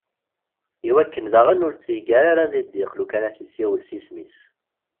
Iwakken d aɣen ur tt-yeggar ara deg ddiq lukan ad as-isiwel s yisem-is.